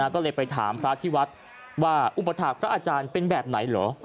ก็เลยไปถามพระที่วัดว่าอุปถาคพระอาจารย์เป็นแบบไหนเหรอ